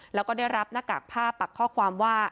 แล้วก็ได้รับหน้ากากผ้าปักข้อความว่า